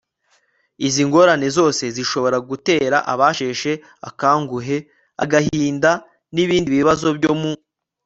Izi ngorane zose zishobora gutera abasheshe akanguhe agahinda n ibindi bibazo byo mu